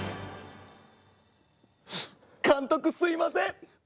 監督すいません。